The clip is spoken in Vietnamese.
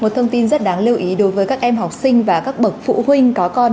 một thông tin rất đáng lưu ý đối với các em học sinh và các bậc phụ huynh có con